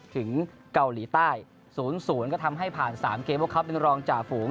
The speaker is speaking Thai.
ถึงเกาหลีใต้๐๐ก็ทำให้ผ่าน๓เกมพวกเขาเป็นรองจ่าฝูง